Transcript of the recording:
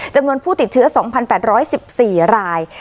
จำนวนผู้ติดเชื้อ๒๘๑๔ราย